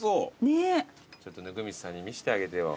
ちょっと温水さんに見してあげてよ